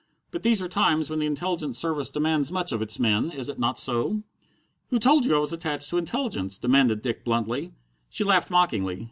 "But these are times when the Intelligence Service demands much of its men, is it not so?" "Who told you I was attached to Intelligence?" demanded Dick bluntly. She laughed mockingly.